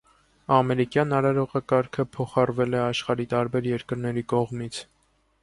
Ամերիկյան արարողակարգը փոխառվել է աշխարհի տարբեր երկրների կողմից։